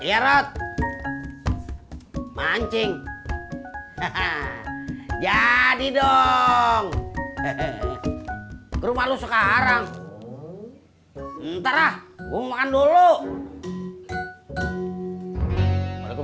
erot mancing jadi dong rumah lu sekarang ntar ah gua makan dulu